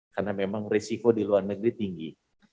karena memang risiko di luar negeri tinggi